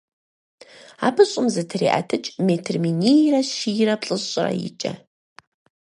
Абы щӀым зытреӀэтыкӀ метр минийрэ щийрэ плӀыщӀрэ икӀэ.